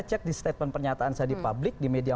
cek di statement pernyataan saya di publik di media